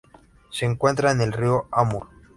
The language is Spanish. Se encuentra en el río Amur.